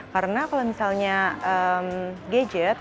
karena kalau misalnya gadget